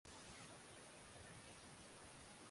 wametoa nadharitete kwamba wakati wa matumizi ya dawa sababu